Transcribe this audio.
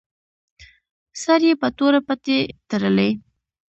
سر یې په توره پټۍ تړلی.